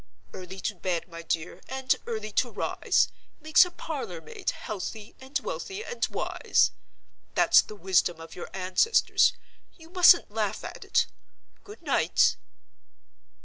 Early to bed, my dear, and early to rise, makes a parlor maid healthy and wealthy and wise. That's the wisdom of your ancestors—you mustn't laugh at it. Good night."